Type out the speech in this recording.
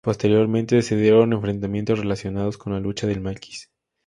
Posteriormente se dieron enfrentamientos relacionados con la lucha del maquis.